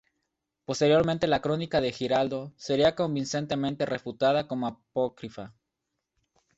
Posteriormente la crónica de Giraldo sería convincentemente refutada como apócrifa.